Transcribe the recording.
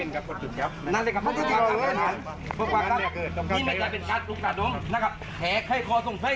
คนเอ็ดได้มากใจในทั้งสำบัดแต่ผมไม่ได้ล่ะ